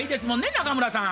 中村さん。